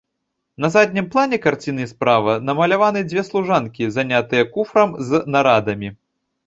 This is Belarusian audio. На заднім плане карціны справа намаляваныя дзве служанкі, занятыя куфрам з нарадамі.